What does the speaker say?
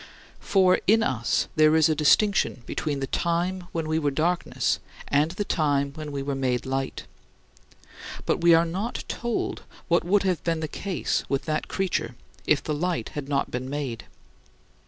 " For in us there is a distinction between the time when we were darkness and the time when we were made light. But we are not told what would have been the case with that creature if the light had not been made.